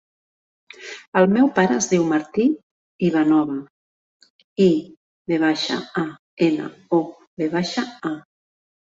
El meu pare es diu Martí Ivanova: i, ve baixa, a, ena, o, ve baixa, a.